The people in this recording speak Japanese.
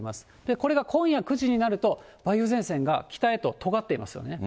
これが今夜９時になると、梅雨前線が北へととがっていますよね。